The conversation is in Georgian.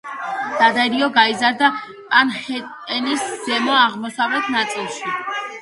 დადარიო გაიზარდა მანჰეტენის ზემო აღმოსავლეთ ნაწილში.